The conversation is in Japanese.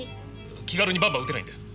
気軽にバンバン撃てないんだよ。